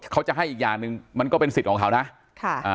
เขาจะให้อีกอย่างหนึ่งมันก็เป็นสิทธิ์ของเขานะค่ะอ่า